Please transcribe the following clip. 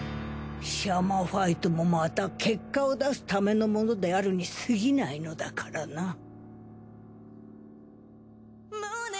シャーマンファイトもまた結果を出すためのものであるにすぎないのだからな。